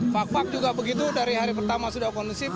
pak fak juga begitu dari hari pertama sudah kondusif